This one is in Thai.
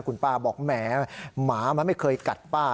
คุณป้าบอกแหมหมามันไม่เคยกัดป้า